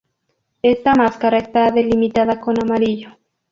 Esta máscara está delimitada con amarillo.